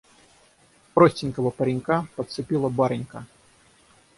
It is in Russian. Простенького паренька подцепила барынька.